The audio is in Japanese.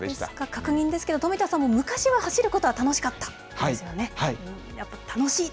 確認ですけど、富田さんも昔は走ることは楽しかったんですよはい。